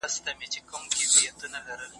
کشمیر د افغانستان یوه برخه وه.